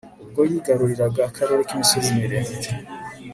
ubwo yigaruriraga akarere k'imisozi miremire